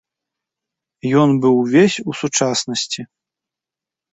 Ён быў увесь у сучаснасці.